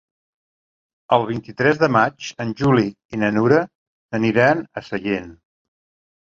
El vint-i-tres de maig en Juli i na Nura aniran a Sallent.